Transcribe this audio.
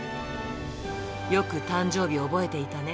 よく誕生日覚えていたね。